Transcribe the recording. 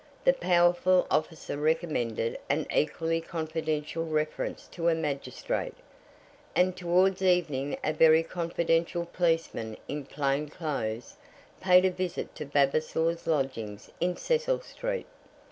The powerful officer recommended an equally confidential reference to a magistrate; and towards evening a very confidential policeman in plain clothes paid a visit to Vavasor's lodgings in Cecil Street.